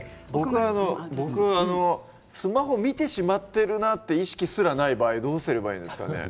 僕はスマホを見てしまっているなという意識すらない場合はどうしたらいいですかね。